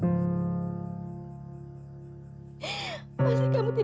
sait sin bahwa bagaimanapun